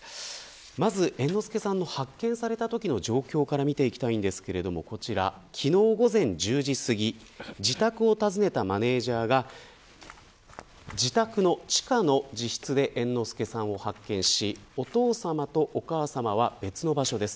まず、猿之助さんの発見されたときの状況から見ていきたいんですけれどもこちら昨日午前１０時すぎ自宅を訪ねたマネジャーが自宅の地下の自室で猿之助さんを発見しお父さまとお母さまは別の場所です。